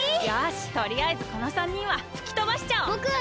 よしとりあえずこの３人はふきとばしちゃおう！